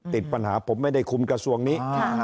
ติดปัญหาผมไม่ได้คุมกระทรวงนี้